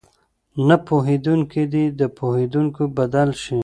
نه پوهېدونکي دې په پوهېدونکي بدل شي.